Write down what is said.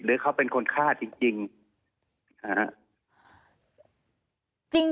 หรือเขาเป็นคนฆ่าจริงนะฮะ